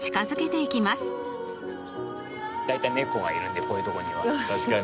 「大体猫がいるんでこういうとこには」「確かに」